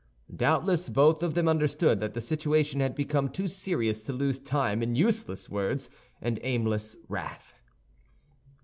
Doubtless both of them understood that the situation had become too serious to lose time in useless words and aimless wrath.